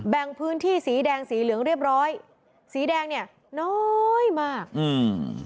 แบ่งพื้นที่สีแดงสีเหลืองเรียบร้อยสีแดงเนี้ยน้อยมากอืม